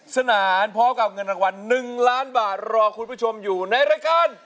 สนานพร้อมกับเงินรางวัล๑ล้านบาทรอคุณผู้ชมอยู่ในรายการ